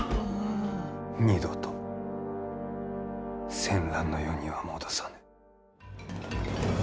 二度と戦乱の世には戻さぬ。